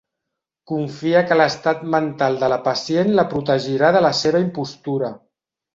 Confia que l'estat mental de la pacient la protegirà de la seva impostura.